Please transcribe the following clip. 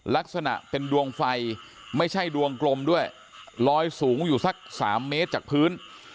ลักษณะเป็นดวงไฟไม่ใช่ดวงกลมด้วยลอยสูงอยู่สัก๓เมตรจากพื้น